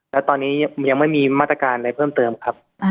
แล้วตอนนี้ยังไม่มีมาตรการอะไรเพิ่มเติมครับ